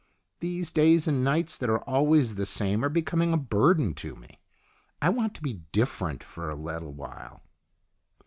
These days and nights that are always the same are becoming a burden to me. I want to be dif ferent for a little while."